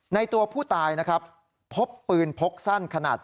ตัวผู้ตายนะครับพบปืนพกสั้นขนาด